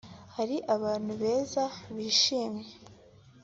Hari abantu beza bishimye